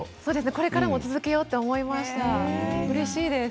これからも続けようと思いました、うれしいです。